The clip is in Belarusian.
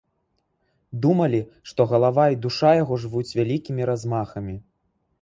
Думалі, што галава і душа яго жывуць вялікімі размахамі.